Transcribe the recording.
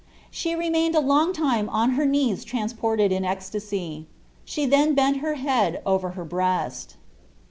She remained a long time on her knees transported in ecstasy. She then bent her head over her breast.